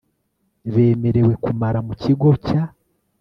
bemerewe kumara mu kigo cya